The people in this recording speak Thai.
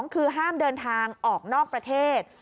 คือห้ามเดินทางออกนอกประเทศ